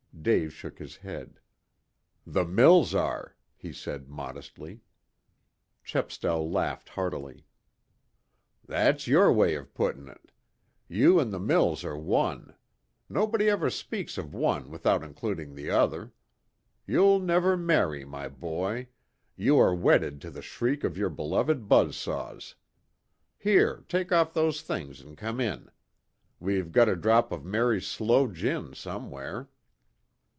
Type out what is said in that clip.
Dave shook his head. "The mills are," he said modestly. Chepstow laughed heartily. "That's your way of putting it. You and the mills are one. Nobody ever speaks of one without including the other. You'll never marry, my boy. You are wedded to the shriek of your beloved buzz saws. Here, take off those things and come in. We've got a drop of Mary's sloe gin somewhere."